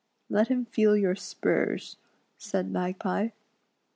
" Let him feel your spurs," said Magpie.